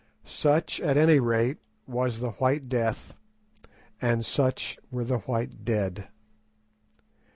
Such, at any rate, was the White Death and such were the White Dead!